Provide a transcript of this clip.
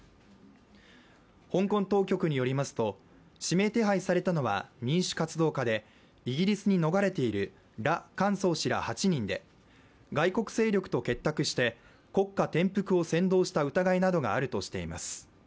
香港当局によりますと、指名手配されたのは民主活動家で、イギリスに逃れている羅冠聡氏ら８人で、外国勢力と結託して国家転覆を扇動した疑いなどがあるとしています。